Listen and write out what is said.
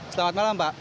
selamat malam pak